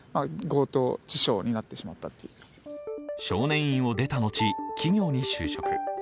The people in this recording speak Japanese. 少年院を出た後、企業に就職。